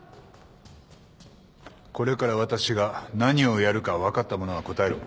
これから私が何をやるか分かった者は答えろ。